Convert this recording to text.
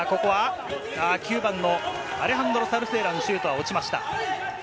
９番ののアレハンドロ・サルスエラのシュートは落ちました。